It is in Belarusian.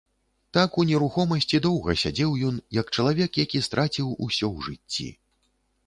Так у нерухомасці доўга сядзеў ён, як чалавек, які страціў усё ў жыцці.